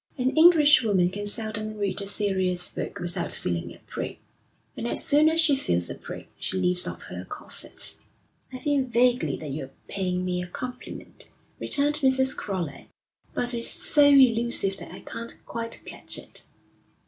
An Englishwoman can seldom read a serious book without feeling a prig, and as soon as she feels a prig she leaves off her corsets.' 'I feel vaguely that you're paying me a compliment,' returned Mrs. Crowley, 'but it's so elusive that I can't quite catch it.'